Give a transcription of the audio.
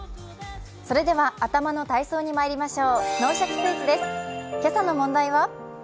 それでは、頭の体操にまいりましょう。